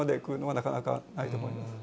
なかなかないと思います。